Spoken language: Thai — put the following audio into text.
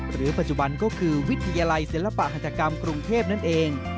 หรือปัจจุบันก็คือวิทยาลัยศิลปะหัตกรรมกรุงเทพนั่นเอง